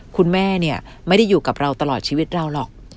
คุณแม่เนี่ยไม่ได้อยู่กับเราตลอดชีวิตเราหรอก